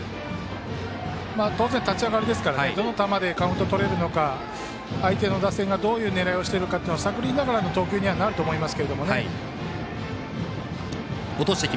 当然、立ち上がりですからどの球でカウントとれるのか相手の打線がどういう狙いをしているのかを探りながらの投球にはなると思いますけどね。